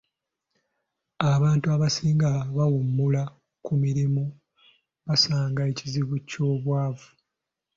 Abantu abasinga abawummula ku mirimu basanga ekizibu ky'obwavu.